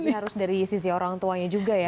jadi harus dari sisi orang tuanya juga ya